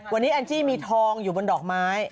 วันนี้แอนจี้มีทองอยู่บนดอกไม้